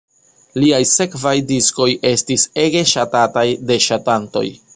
Liaj sekvaj diskoj estis ege ŝatataj de ŝatantoj.